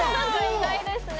意外ですね